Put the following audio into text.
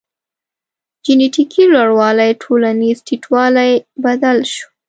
جنټیکي لوړوالی ټولنیز ټیټوالی بدل شو.